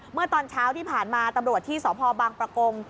เมื่อตอนเช้าที่ผ่านมาตำรวจที่สพบางประกง